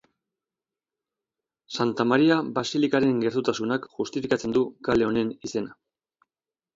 Santa Maria basilikaren gertutasunak justifikatzen du kale honen izena.